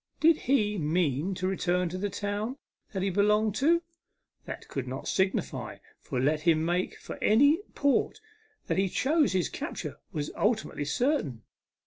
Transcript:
Did he mean to return to the town that he belonged to ? That could not signify, for let him make for any port that he chose his capture was ultimately certain.